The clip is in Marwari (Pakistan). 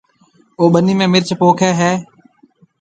او ٻنِي ۾ مرچ پوکيَ ھيََََ